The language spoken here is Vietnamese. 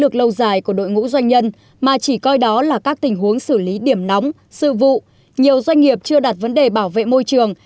trong các tình huống xử lý điểm nóng sư vụ nhiều doanh nghiệp chưa đặt vấn đề bảo vệ môi trường